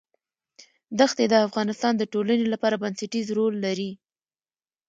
دښتې د افغانستان د ټولنې لپاره بنسټيز رول لري.